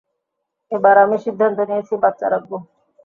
এবার আমি সিদ্ধান্ত নিয়েছি বাচ্চা রাখবো।